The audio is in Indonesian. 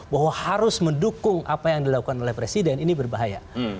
bahwa harus mendukung apa yang dilakukan oleh presiden ini berbahaya